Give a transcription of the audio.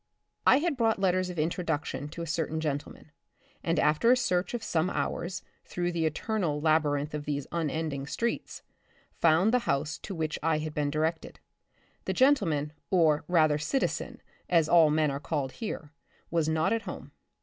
I had brought letters of intro duction to a certain gentleman, and after a search of some hours through the eternal laby rinth of these unending streets, found the house to which I had been directed. The gentleman, or rather citizen, as all men are called here, was not at home.